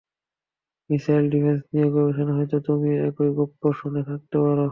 Missile defence নিয়ে গবেষনা, হয়তো তুমিও একই গপ্পো শুনে থাকতে পারো।